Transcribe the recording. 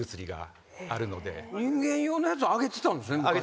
人間用のやつをあげてたんですね昔は。